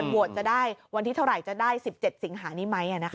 วันที่เท่าไหร่จะได้สิบเจ็ดสิงหานี้ไหมอ่ะนะคะ